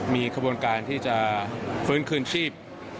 มีกระบวนการที่จะเฟิร์นคืนชีพ